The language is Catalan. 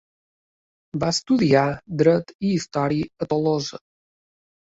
Va estudiar dret i història a Tolosa.